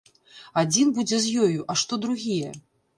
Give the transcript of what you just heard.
Адзін будзе з ёю, а што другія?